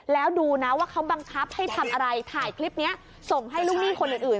แล้วดูนะว่าเขาบังคับให้ทำอะไรถ่ายคลิปนี้ส่งให้ลูกหนี้คนอื่น